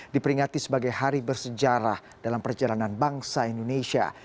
diperingati sebagai hari bersejarah dalam perjalanan bangsa indonesia